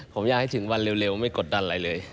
ผมอยากให้ถึงวันเร็วไม่กดดันอะไรเลย